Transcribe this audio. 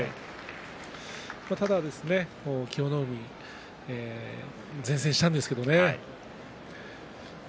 ただ清乃海善戦したんですけどね。